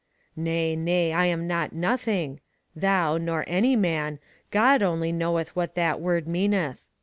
Nay, nay, I am not Nothing. Thou, nor any man God only knoweth what that word meaneth.